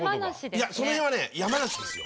いやその辺はね山梨ですよ。